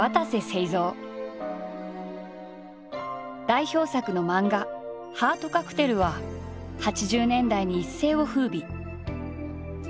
代表作の漫画「ハートカクテル」は８０年代に一世を風靡。